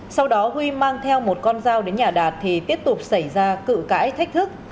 sau đó huy mang theo một con dao đến nhà đạt thì tiếp tục xảy ra cự cãi thách thức